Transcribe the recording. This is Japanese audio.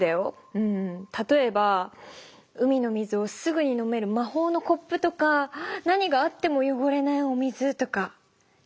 うんたとえば海の水をすぐに飲めるまほうのコップとか何があってもよごれないお水とかできないかなあ。